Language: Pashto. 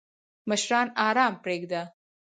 مشران آرام پریږده!